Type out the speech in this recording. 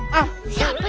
jangan di pegangin